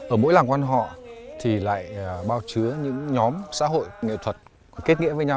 ở mỗi làng quan họ thì lại bao chứa những nhóm xã hội nghệ thuật kết nghĩa với nhau